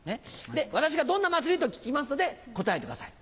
私が「どんな祭り？」と聞きますので答えてください。